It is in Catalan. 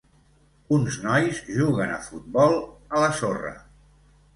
Uns nois juguen a futbol a la sorra.